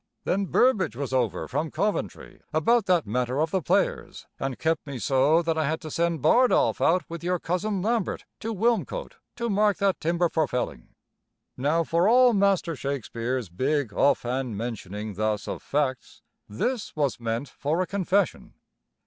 Then Burbage was over from Coventry about that matter of the players, and kept me so that I had to send Bardolph out with your Cousin Lambert to Wilmcote to mark that timber for felling." Now for all Master Shakespeare's big, off hand mentioning thus of facts, this was meant for a confession.